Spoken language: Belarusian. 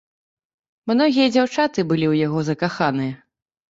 Многія дзяўчаты былі ў яго закаханыя.